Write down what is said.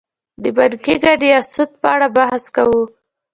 د بانکي ګټې یا سود په اړه بحث کوو